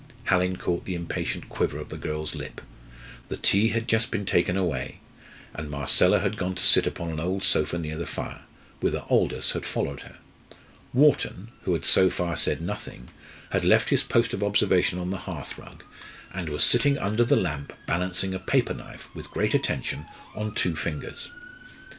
Hallin caught the impatient quiver of the girl's lip. The tea had just been taken away, and Marcella had gone to sit upon an old sofa near the fire, whither Aldous had followed her. Wharton, who had so far said nothing, had left his post of observation on the hearth rug, and was sitting under the lamp balancing a paper knife with great attention on two fingers.